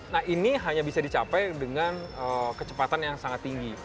nah ini hanya bisa dicapai dengan kecepatan yang sangat tinggi